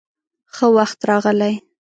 _ښه وخت راغلې.